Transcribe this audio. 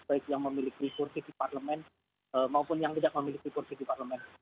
baik yang memiliki kursi di parlemen maupun yang tidak memiliki kursi di parlemen